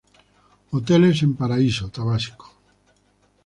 Hoteles en Paraíso Tabasco